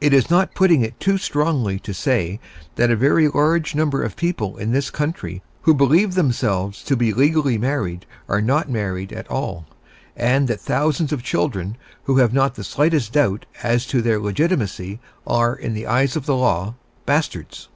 It is not putting it too strongly to say that a very large number of people in this country who believe themselves to be legally married are not married at all, and that thousands of children who have not the slightest doubt as to their legitimacy are in the eyes of the law bastards.